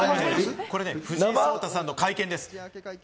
これ、藤井聡太さんの会見です。